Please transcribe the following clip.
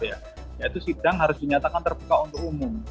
yaitu sidang harus dinyatakan terbuka untuk umum